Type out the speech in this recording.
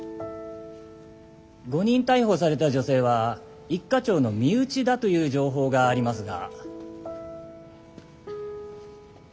誤認逮捕された女性は一課長の身内だという情報がありますが。